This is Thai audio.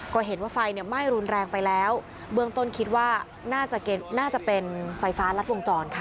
ก็เห็นว่าไฟเนี่ยไหม้รุนแรงไปแล้วเบื้องต้นคิดว่าน่าจะน่าจะเป็นไฟฟ้ารัดวงจรค่ะ